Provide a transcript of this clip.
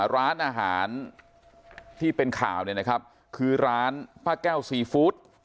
ร้านอาหารที่เป็นข่าวเนี่ยนะครับคือร้านป้าแก้วซีฟู้ด